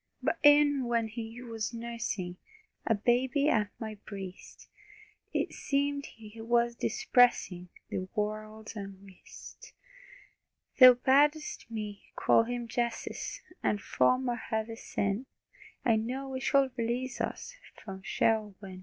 But e'en when He was nursing, A baby at my breast, It seemed He was dispersing The world's unrest. Thou bad'st me call Him "Jesus," And from our heavy sin I know He shall release us, From Sheol win.